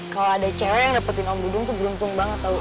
kalau ada cewek yang dapetin om budung tuh beruntung banget tau